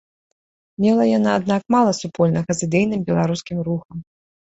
Мела яна, аднак, мала супольнага з ідэйным беларускім рухам.